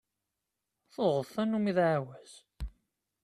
Tuɣeḍ tannumi d ɛawaz.